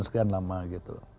sekian lama gitu